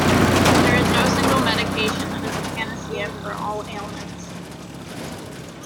There is no single Medication that is a Panacea for all ailments.